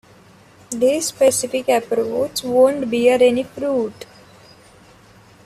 This specific approach won't bear any fruit.